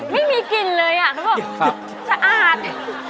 ไม่มีกลิ่นเลยอ่ะเขาบอกสะอาด